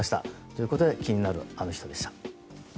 ということで気になるアノ人でした。